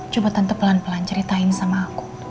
coba tante pelan pelan ceritain sama aku